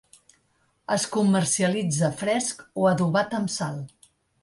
Es comercialitza fresc o adobat amb sal.